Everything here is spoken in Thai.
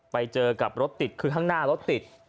ไปเจอกับรถติดคือข้างหน้ารถติด